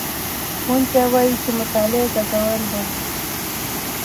ښوونکی وایي چې مطالعه ګټوره ده.